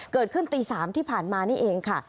เกิดขึ้นตี๓ที่ผ่านมานี่เองค่ะ